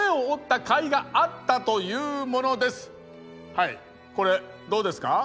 はいこれどうですか？